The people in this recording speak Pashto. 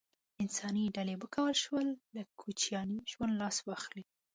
انساني ډلې وکولای شول له کوچیاني ژوند لاس واخلي.